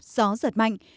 gió giật mạnh